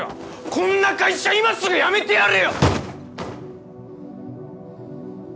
こんな会社今すぐ辞めてやるよ！